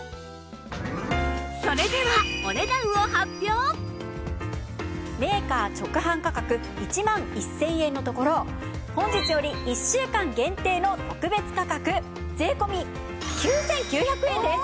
それではメーカー直販価格１万１０００円のところ本日より１週間限定の特別価格税込９９００円です。